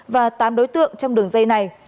và tám đối tượng trong đường dây này